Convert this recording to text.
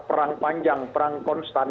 perang panjang perang konstan